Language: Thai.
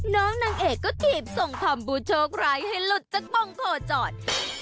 นางเอกก็ถีบส่งคำบูโชคร้ายให้หลุดจากปงโคจอด